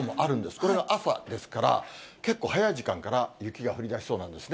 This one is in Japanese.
これが朝ですから、結構早い時間から雪が降りだしそうなんですね。